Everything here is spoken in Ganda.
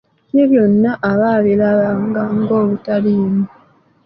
Ye byonna aba abirabanga ng'obutaliimu!